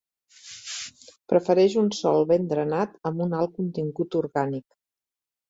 Prefereix un sòl ben drenat amb un alt contingut orgànic.